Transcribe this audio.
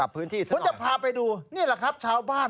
ผมจะพาไปดูนี่แหละครับชาวบ้าน